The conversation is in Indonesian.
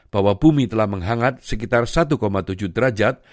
bahwa bumi telah menghangat sekitar satu tujuh derajat